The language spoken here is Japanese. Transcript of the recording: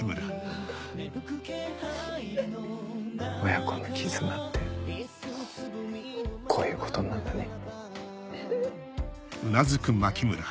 親子の絆ってこういうことなんだね。